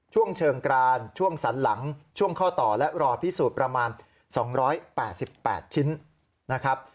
ช่วงเชิงกรานช่วงสันหลังช่วงข้อต่อและรอพิสูจน์ประมาณ๒๘๘ชิ้นนะครับ